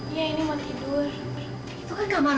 iya ini mau tidur